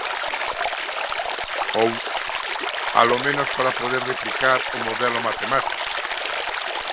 Ou alomenos para poder replicar o modelo matemático.